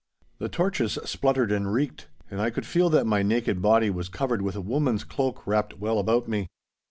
The torches spluttered and reeked, and I could feel that my naked body was covered with a woman's cloak wrapped well about me.